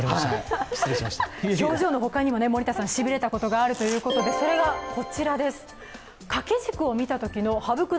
表情の他にもしびれたことがあるということで、こちらです。